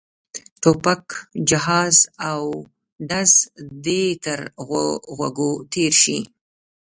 ټوپک جهاز او ډز دې تر غوږو تېر شي.